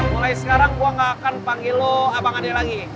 mulai sekarang gue gak akan panggil lo abang ade lagi